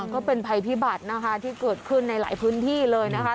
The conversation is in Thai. ก็เป็นภัยพิบัตินะคะที่เกิดขึ้นในหลายพื้นที่เลยนะคะ